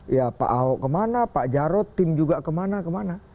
ya pak ahok kemana pak jarod tim juga kemana kemana